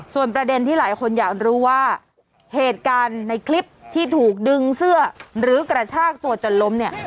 ส่วนประเด็นที่หลายคนอยากรู้ว่าเหตุการณ์ในคลิปที่ถูกดึงเสื้อหรือกระชากตัวจนล้มเนี่ย